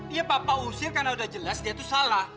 iya papa usir karena udah jelas dia tuh salah